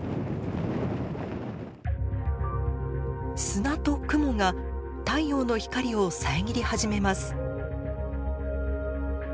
砂と雲が太陽の光を遮り始めます。